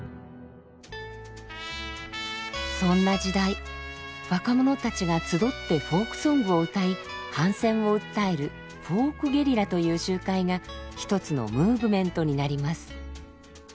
そんな時代若者たちが集ってフォークソングを歌い反戦を訴えるフォークゲリラという集会が一つのムーブメントになります。